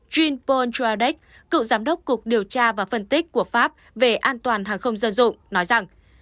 jean poldeck cựu giám đốc cục điều tra và phân tích của pháp về an toàn hàng không dân dụng nói rằng